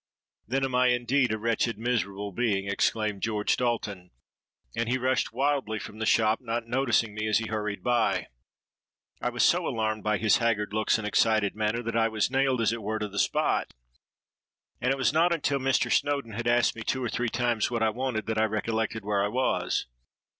'—'Then am I indeed a wretched, miserable being!' exclaimed George Dalton; and he rushed wildly from the shop, not noticing me as he hurried by. I was so alarmed by his haggard looks and excited manner, that I was nailed as it were to the spot; and it was not until Mr. Snowdon had asked me two or three times what I wanted, that I recollected where I was.